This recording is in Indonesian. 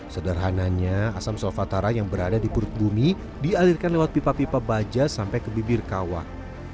sederhananya asam solvatara yang berada di perut bumi dialirkan lewat pipa pipa baja sampai ke bibir kawah